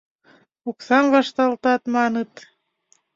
— Оксам вашталтат, маныт.